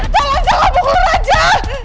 tunggu tunggu tunggu